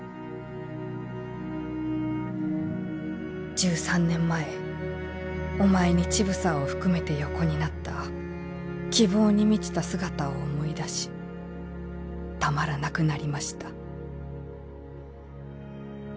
「１３年前お前に乳房を含めて横になった希望に満ちた姿を思い出したまらなくなりました」。